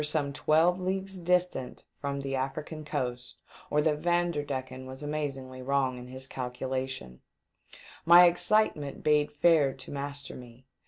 449 some twelve leaofues distant from the African coast or that Vanderdecken was amazingly wrong in his calculations. My excitement bade fair to master me.